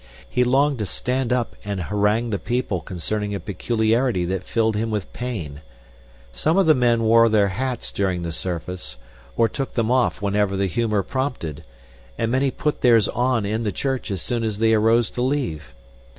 He longed to stand up and harangue the people concerning a peculiarity that filled him with pain. Some of the men wore their hats during the service or took them off whenever the humor prompted, and many put theirs on in the church as soon as they arose to leave.